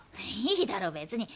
いいだろ別に。